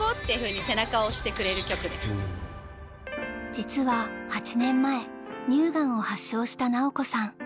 実は８年前乳がんを発症した尚子さん。